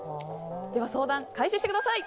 相談開始してください。